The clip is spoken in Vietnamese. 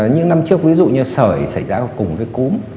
những năm trước ví dụ như sởi xảy ra cùng với cúm